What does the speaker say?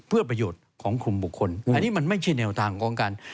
เพื่อประโยชน์ของกลุ่มบุคคลอันนี้มันไม่ใช่แนวทางของการ